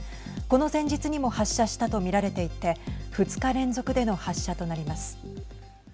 この前日にも発射したと見られていて２日連続での発射となります。